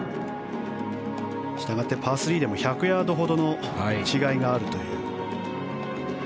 したがってパー３でも１００ヤードほどの違いがあるという。